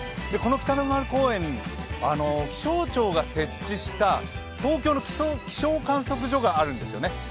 この北の丸公園、気象庁が設置した東京の希少観測所があるんですよね。